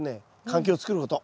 環境をつくること。